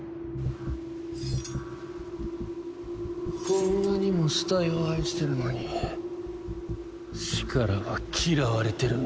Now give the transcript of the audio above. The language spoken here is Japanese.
こんなにも死体を愛してるのに死からは嫌われてるんだ。